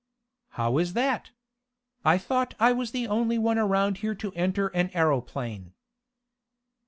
"How is that? I thought I was the only one around here to enter an aeroplane."